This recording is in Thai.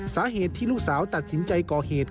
สาเหตุที่ลูกสาวตัดสินใจก่อเหตุ